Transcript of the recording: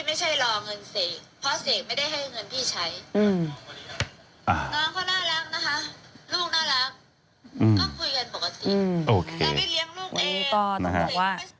มันก็ต้องว่า